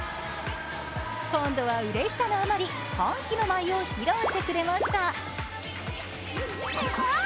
今度はうれしさのあまり、歓喜の舞を披露してくれました。